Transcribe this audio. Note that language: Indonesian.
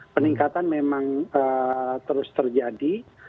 peningkatan memang terus terjadi